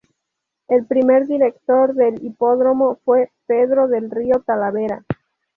El primer director del "hipódromo fue" Pedro Del Río Talavera.